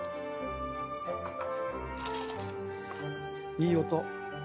いい音。